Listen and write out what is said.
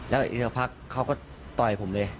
แล้วอีกสักพักเขาก็ต่อยผมเลย